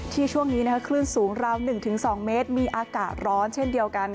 ช่วงนี้คลื่นสูงราว๑๒เมตรมีอากาศร้อนเช่นเดียวกัน